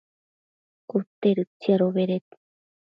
cute tsiadobeded